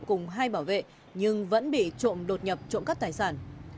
cùng hai bảo vệ nhưng vẫn bị trộm đột nhập trộm cắp tài sản